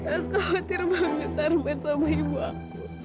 aku khawatir banget sama ibu aku